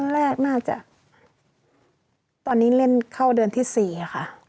แรกน่าจะตอนนี้เล่นเข้าเดือนที่๔ค่ะ